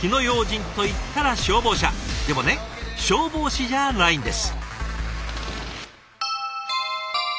でもね消防士じゃないんです。